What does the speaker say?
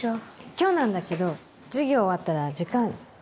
今日なんだけど授業終わったら時間ある？